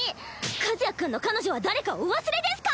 和也君の彼女は誰かお忘れですか！